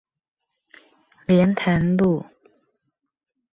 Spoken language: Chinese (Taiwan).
蓮潭路